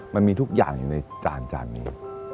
มันมีทุกอย่างอยู่ในจานจานนี้